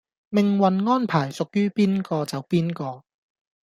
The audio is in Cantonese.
命運安排屬於邊個就邊個